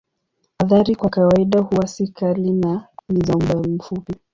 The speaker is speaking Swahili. Athari kwa kawaida huwa si kali na ni za muda mfupi.